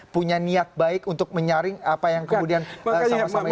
punya niat baik untuk menyaring apa yang kemudian sama sama